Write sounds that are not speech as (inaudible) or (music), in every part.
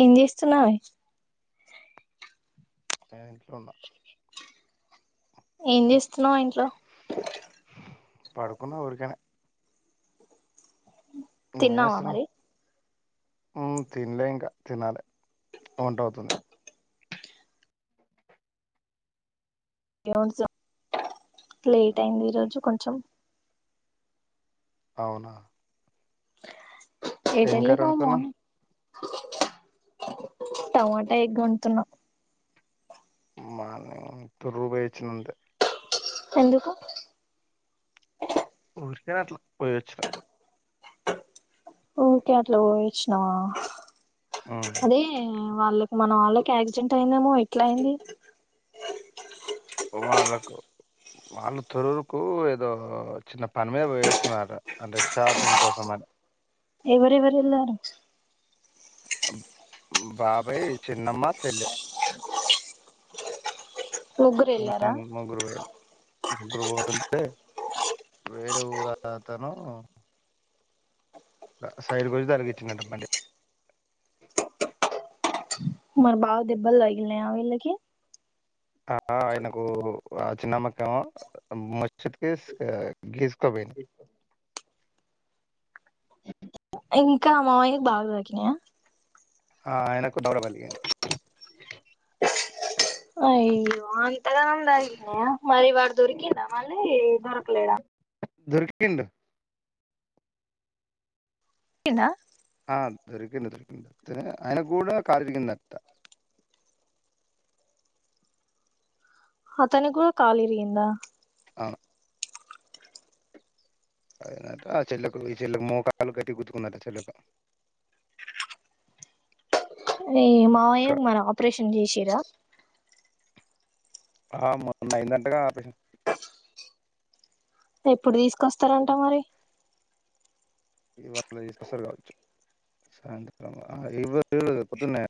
ఏంజస్ నయి ఏట్లో ఉన్నా ఏం చేస్తున్నావు ఇంట్లో పడుకున్న ఊరికనా నువ్వేం తిన్నావా చేస్తున్నావ్ మరి తినలే ఇంకా తినాలి ఉంటవుతుంది లేట్ అయింది ఈరోజు కొంచెం అవునా ఏట ఏం లే కర్రీ ను వండుతున్నావ్ మని టమాటా ఎగ వంటతున్నా మానింగ్ తొర రూపాయయి వచ్చినంతే ఎందుకు ఊరికనే అట్లా పోయి వచ్చిన ఊఓకే అట్లా ఊహచ్చినావా మ్మ్ అదే వాళ్ళ మన వాళ్ళకి యాక్సిడెంట్ అయిందేమో ఎట్లా అయింది వాళ్ళకు వాళ్ళ తరరుకు ఏదో చిన్న పని మీద పోయిస్తున్నారు అంటే షాపింగ్ కోసం అని ఎవరవర ఎలార బాబాయి చిన్నమ్మా చెల్ ముగ్గురు వెళ్ళారా ముగ్గురు పోయ ముగ్గురు పోతుంటే వుఊ రా తను సైడ్ గురించి తలగించింది బ్బండి మరి బాబ దభల్ గల న అలకి ఆ ఆయనకు ఆ చిన్నమకం ముచ్చత్కి గీస్కోబ (unintelligible) ఇంకా మామయకి బాగా దాకినాయా ఆ ఆయనకు దౌరవ పలిగింది అయ్యో అంతద నందగినయ మరబడ దొరికిందా మళ్ళీ దొరకలేద ధర్ఖిండ్ ధర్ఖిండ ఆ దొరికింది దొరికిడి ద ఆయన కూడా కళకి దత అతను కూడా కాలి ఇరిగింద అవును అద అట ఆ చెల్కు ఈ చెల్కు మోకాళ్లు కట్టి గుద్తుకుందట చెల్కు అది మావయ్య క మరీ ఆపరేషన్ చేసిండ్రా ఆ మొన్న అయిందంటగా ఆపిష ఎప్పుడు తీసుకొస్తారంట మరి ఈ వళ తీసుకొస్తరు కావచ్చు సాయంత్ర్రం ఇవరు పొద్దున్నే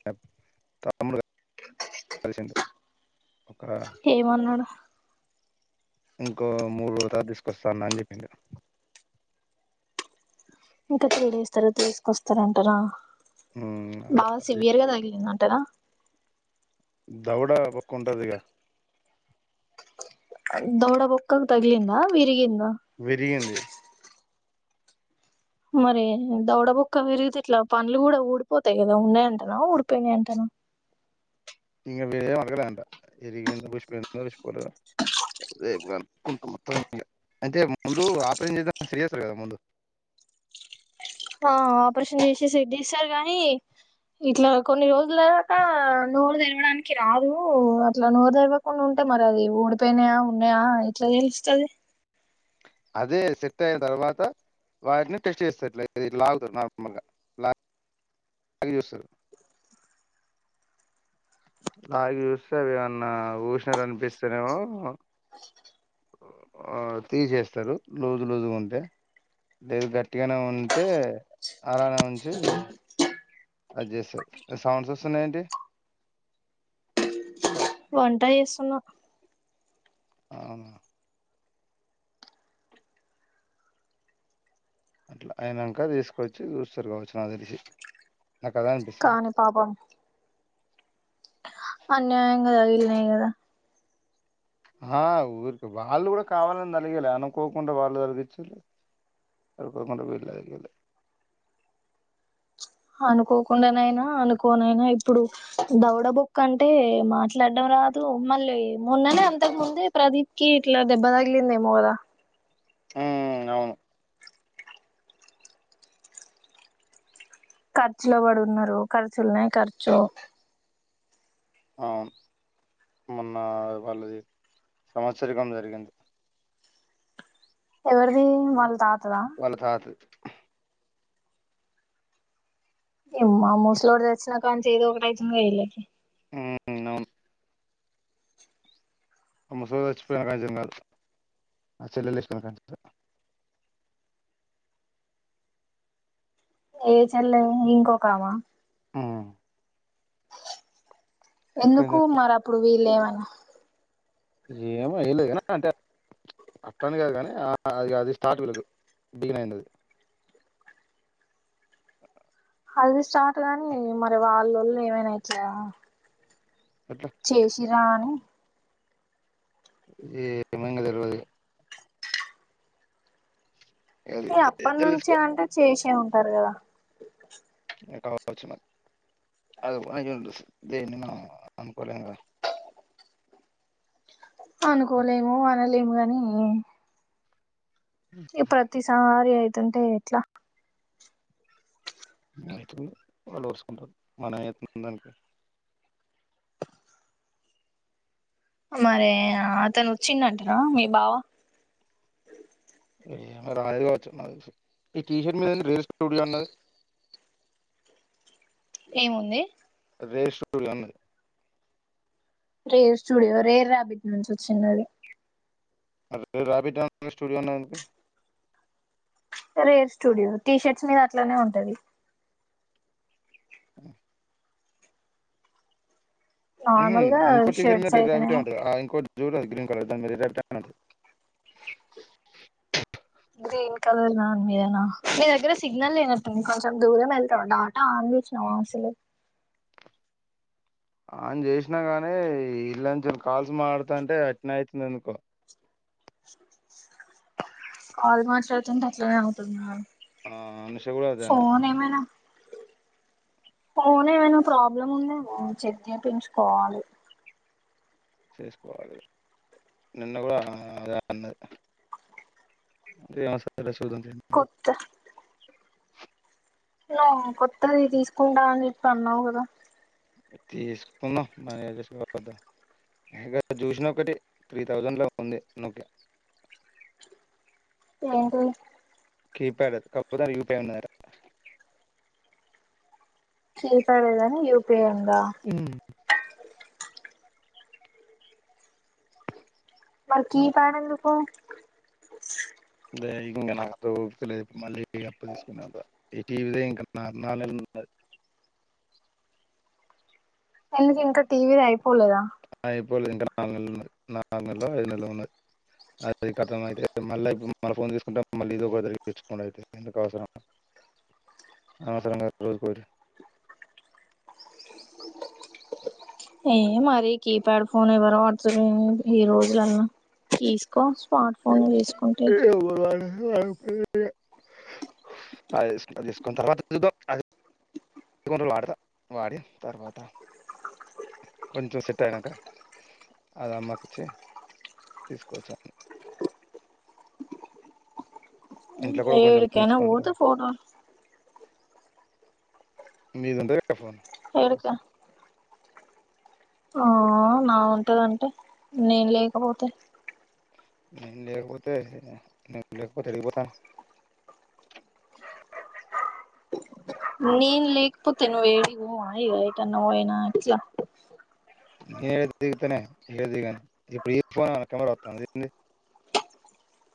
తములు కలిసింది ఏమన్నాడు ఇంకో మూడు రోత తీసుకొస్తా అన్నా అని చెప్పిండు ఇంకా త్రీ డేస్ తర్వా తీసుకొస్తారంటనా హ్మ్. బాగా అదే. సివియర్ గా తగిలిందంటనా దౌడ పక్క ఉంటది గ దౌడ బుక్కగ్ తగలింద విరిగింద విరిగింది మరి దౌడబుక్క విరిగితే ఇట్లా పనులు కూడా ఊడిపోతాయి కదా ఉన్నాయంటనా ఊడిపోయినాయి అంటనా అ ఇగ వేడేం అడగలేదంట ఇరిగిందో ఊసిపోయిందో ఉస్ పోలేదో రేపు కనుకుంట మొత్తం ఇంగ అంటె ముందు ఆపరేషన్ చేసా సరి చేస్తార్ కదా ముందు ఆ ఆపరేషన్ షెడ్ జేస్తారు గా నీ ఇట్లా కొన్ని రోజుల దాకా నోరు తెరవడానికి రాదు అట్లా నోరు తెరవకుండా ఉ అంట మరి అది ఓడిపోయినాయా ఉన్నాయా అని ఏ ట్లా తెలుస్తది అదే సెట్ అయిన తర్వాత వారిని టెస్ట్ చేస్తారు ఇట్ల లాగుతరు నార్మల్ గాలా గి చూసరు నాకు చూస్తే అవి ఏమన్నా ఊసినట్ అనిపిస్తేనేమో ఆ తీసేస్తారు లూజు లూజు గ ఉంటే లేదు గట్టిగానే ఉంటే అలానే ఉంచి అద్ చేసార్ సౌండ్స్ వస్తున్నా యి ఏంటి వంట చేసున్నా అవునా అట్లా అయినాక తీసుకొచ్చి చూస్తారు కావచ్చు నాకు తెలిసి నాకు అదే అనిపిస్తుంది అన్యాయంగ దగిల్నాయ్ కదా ఆ ఊరిక వాళ్ళు కూడా కావాలని తలిగిలా అనుకోకుండా వాళ్ళు తలిగించలే అనుకోకుండా వీల్ దగిలిల్ అనుకోకుండానైనా అనుకోనైనా ఇప్పుడు దౌడ బొక్క అంటే మాట్లాడడం రాద్ తో మళ్ళీ మోన్ననే అంతకు ముందే ప్రదీప్ కి ఇట్లా దెబ్బ తగిలిందేమో కదా హుమ్ అవును ఖర్చులో పడి ఉన్నారు ఖర్చుల్నే ఖర్చు అవును మొన్న వాల్ ది సంవత్సరికం జరిగింది ఎవరిది వాళ్ళ తాత్ వాళ్ళ తాతది యమ్మ మూసలోడు సచ్చిన కాంచీ ఎదో ఒకటి అయ్తున్దీలకి ఉమ్ అవును ఆ ముస్లోడు సచిపోయనకానుంచి ఏం కాదు ఆ చెల్లెల్ సచ్చిపోయిన కాంచీ అట ఏ చెల్లే ఇంకొకామా ఆ ఎందుకు చేస్తా మరి అప్పుడు వీళమనా ఏమో ఇలేనా అంటే (unintelligible) అది స్టార్ట్ గాని మరి వాళ్ళ ఏమైనా ఇట్ల ఎట్లా చేసిరా అని (unintelligible) అది ఈ అప్పటి నుంచి తెలుసుకోవాలి. అంటే చేసే ఉంటారు కదా కావచ్చు అది పో దేని మ అనుకోలేంగా అనుకోలేము అనలేము కాని ఈ ప్రతిసారి అయితుంటే ఎట్లా అైతు వాళ్ళు చుకుంటారు మన దానికి మరే అతను వచ్చిందంటార మీ బావ అనేది కావచ్చు ఈ టీషర్ట్ (unintelligible) వేరే స్టూడియో అన్నది ఏముంది (unintelligible) రేర్ స్టూడియో రేర్ రాబిట్ నుంచి వచ్చింది (unintelligible) రాబిట్ట స్టూడియోనా (unintelligible) రేర్ స్టూడియో టీ షర్ట్స్ మీద అట్లానే ఉంటది ఆ నార్మల్ గా షర్ట్స్ అయితేనేమో (unintelligible) (inaudible) గ్రీన్ కలర్ నా మీదనా మీ దగ్గర సిగ్నల్ లేనట్టుంంది కొంచెం దూరం వెళ్తాండి ఆట (unintelligible) అసలు ఆన చేసినా గాని ఇల్లాంటి కాల్స్ మాడుతా అంటే అట్నే అవుతుంది అందుకో కాల్ మాట్లాడుతుంటే అట్లనే అవుతుందా ఆ నిష కూడా అదే అంది ఫోన్ ఏమైనా ప్రాబ్లమ్ ఉంద చెక్ చేయించుకోవాలి చేసుకోవాలి నిన్న కూడా అదే అన్న (inaudible) కొత్త కొత్తది తీసుకుంటా అని (unintelligible) అన్నావు కదా తీసుకున్నా (unintelligible) చూసిన ఒకటి త్రీ థౌజండ్ లోలా ఉంది (unintelligible) (unintelligible) కీపాడ్ అది (inaudible) (unintelligible) యూపిఐ ఉందా మరి కి ప్యాడ్ ఎందుకు అదే ఇంకా నాతో మళ్ళీ అప్ప తీసుకునే ఈటీవిద ఇంకా నా నాలు ఎందుకు ఇంకా టీవీ అయిపోలేదా (unintelligible) అది అర్థం అయితే మళ్ళీ మళ్ ఫోన్ తీసుకుంటే మళ్ళీ ఇది ఒక తరిగి తెచ్చుకోం అయితే ఎందుకు (unintelligible) అ (unintelligible) ఏ మరి కీప్యాడ్ ఫోన్ ఎవరు (unintelligible) ఈ రోజులలో తీసుకో స్మార్ట్ ఫోన్లు తీసుకుంటే అది తీసుకుని తర్వాత అది పగుండలు వాడత వాడి తర్వాత కొంచెం సెట్ అయినాక అది అమ్మకి ఇచ్చె తీసుకొ చౌక్ ఇంట్లో కూడా ఏడుకనే పోత ఫోట ఇది ఎంతైదక్క ఫోన్ ఏడిక ఆ నా ఉంటదంటే నేను లేకపోతే నేన లేపోతే లేకపోతే ఏకడపోత నేన లేకపోతే నువ్ ఎడికి పోవ ఎట్టన్న పోయిన అట్లా నేను ఏ దిగుతానే ఏ దిగాను ఇప్పుడు ఈ ఫోన్ కెమెరా వాతంద ఏంది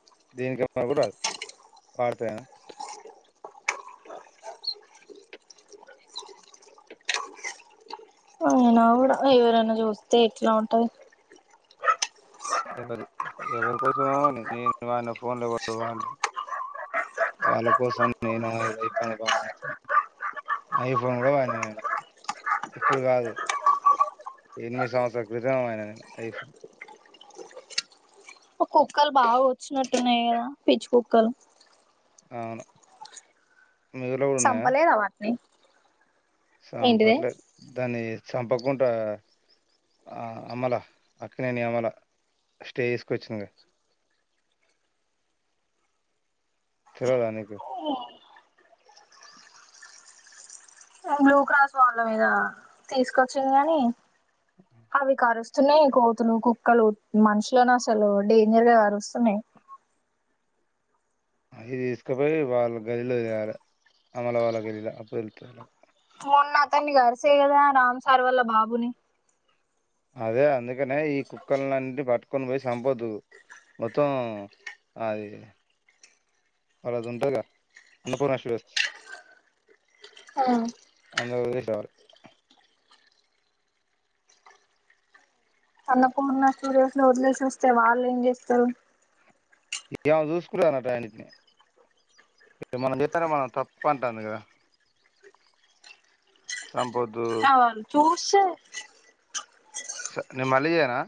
(unintelligible) అయినా కూడా ఎవరన్న చూస్తే ఎట్లా ఉంటాది ఎవని కోసమని (unintelligible) వాళ్ళ కోసం నేను ఇది (unintelligible) ఐఫోన్ కూడా వాడిన నేను ఇప్పుడు కాదు ఎనిమి సంవత్సరాల క్రితం వాడిన నేను ఐఫో కుక్కలు బాగా వచ్చినట్టున్నాయి కదా పిచ్చి కుక్కలు అవును మీ ఊర్లో సంపలేద వాటని సంపట్లేద్ దాన్ని చంపకుండా అమలా అక్కినేని అమల స్టే చేసుకొచ్చిందిగా తెల్వదా నీకు బ్లూ క్రాస్ వాళ్ళ మీద తీసుకొచ్చింది కని అవి కరుస్త స్తున్నాయి కోతులు కుక్కలు మనుషులను అసలు డేంజర్ గా కారుస్తున్నాయి అవి తీసుకుపోయి వాళ్ళ గదిలో ఏయాలి అమల వాళ్ళ గదిలో అప్పుడు తెలుతది నా అతన్ని గరిసేయగదా రామ్ సార్ వాల్ల బాబుని అదే అందుకనే ఈ కుక్కలండి పట్ కొొని పోయి సంపోద్దు మొత్తం అది అది ఉంటది కదా అన్నపూర్ణ స్టూడియోస్ ఆ వదిలేసి రావాలి అన్నపూర్ణ స్టూడియోస్ లో వదిలేసోస్తే వాళ్ళ ఏం చేస్తారు ఇగ ఆమె చూసుకుంటదాట వాటిని మనం చేతంటే మనం తప్ప అంటాంది కదా సంపద్దు క్షే నేన మళ్లీ చెయ్యనా